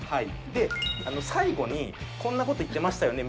で最後に「こんな事言ってましたよね」